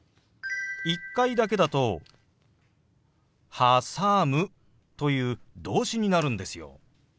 １回だけだと「はさむ」という動詞になるんですよ。